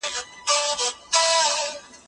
زه مخکي د کتابتون لپاره کار کړي وو،